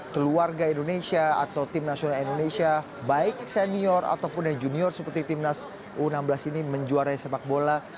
keluarga indonesia atau tim nasional indonesia baik senior ataupun yang junior seperti timnas u enam belas ini menjuarai sepak bola